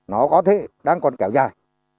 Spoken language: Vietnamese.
nó có thể đang còn kéo dài